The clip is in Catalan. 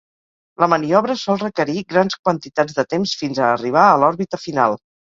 La maniobra sol requerir grans quantitats de temps fins a arribar a l'òrbita final.